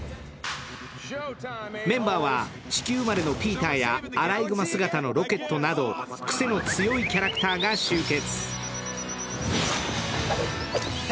メンバーは、地球生まれのピーターやアライグマ姿のロケットなどクセの強いキャラクターが集結。